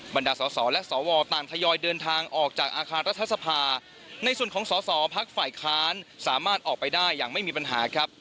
บรรดาสอสอและสวต่างทยอยเดินทางออกจากอาคารรัฐสภาในส่วนของสอสอพักฝ่ายค้านสามารถออกไปได้อย่างไม่มีปัญหาครับ